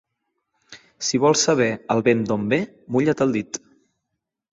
Si vols saber el vent d'on ve, mulla't el dit.